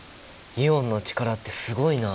イオンの力ってすごいな！